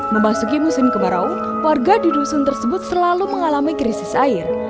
memasuki musim kemarau warga di dusun tersebut selalu mengalami krisis air